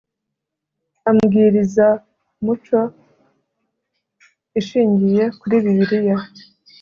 Ambwirizamuco Ishingiye kuri Bibiliya.